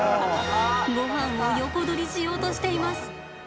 ごはんを横取りしようとしています。